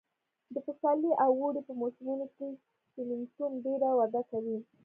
د پسرلي او اوړي په موسمونو کې سېمنټوم ډېره وده کوي